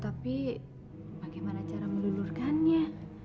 tapi bagaimana cara melulurkannya